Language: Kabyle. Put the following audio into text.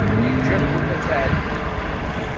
Yeǧǧa-ken ad tɛeddim.